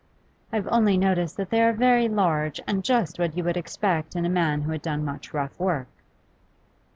'I've only noticed that they are very large, and just what you would expect in a man who had done much rough work.